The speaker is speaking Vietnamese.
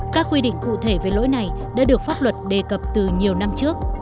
các quy định cụ thể về lỗi này đã được pháp luật đề cập từ nhiều năm trước